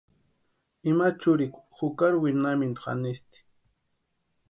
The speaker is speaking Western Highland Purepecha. Ima churikwa jukari winhamintu janisti.